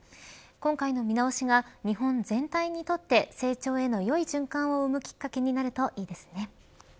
今回の見直しが日本全体にとって成長へのよい循環を生むきっかけになるといいですね。